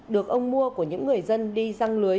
được ông mua của những người dân đi răng lưới